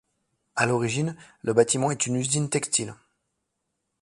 À l'origine, le bâtiment est une usine textile.